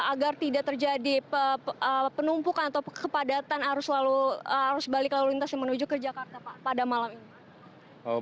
agar tidak terjadi penumpukan atau kepadatan arus balik lalu lintas yang menuju ke jakarta pak pada malam ini